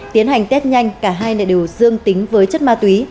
tiến hành test nhanh cả hai đều dương tính với chất ma túy